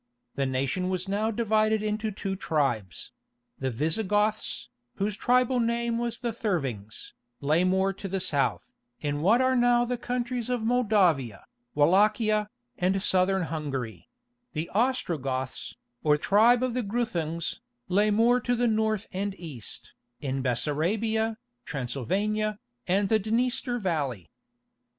The nation was now divided into two tribes: the Visigoths, whose tribal name was the Thervings, lay more to the south, in what are now the countries of Moldavia, Wallachia, and Southern Hungary; the Ostrogoths, or tribe of the Gruthungs, lay more to the north and east, in Bessarabia, Transylvania, and the Dniester valley.